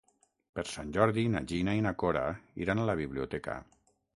Per Sant Jordi na Gina i na Cora iran a la biblioteca.